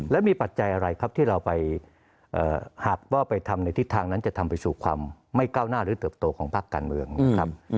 แล้วมีปัจจัยอะไรครับที่เราไปหากว่าไปทำในทิศทางนั้นจะทำไปสู่ความไม่ก้าวหน้าหรือเติบโตของภาคการเมืองนะครับ